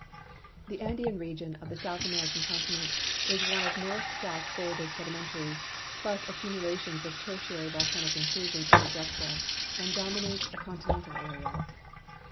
The Andean region of the South American continent is one of north south folded sedimentaries, plus accumulations of Tertiary volcanic intrusions and ejecta, and dominates a continental area.